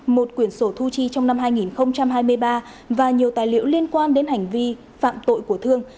một quyển sổ thu chi trong năm hai nghìn hai mươi ba và nhiều tài liệu liên quan đến hành vi phạm tội của thương